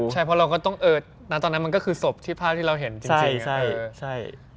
ใช่เพราะตอนนั้นเป็นศพที่เราเห็นจริง